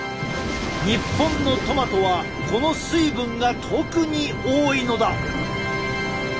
日本のトマトはこの水分が特に多いのだ。